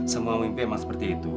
semua mimpi memang seperti itu